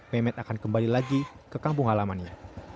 mehmet akan kembali lagi ke kampung alamannya